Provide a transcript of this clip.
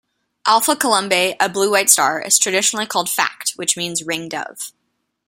Alpha Columbae, a blue-white star, is traditionally called Phact, which means "ring dove".